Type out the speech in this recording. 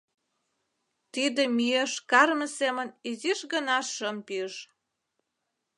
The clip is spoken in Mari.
Тиде мӱеш карме семын изиш гына шым пиж.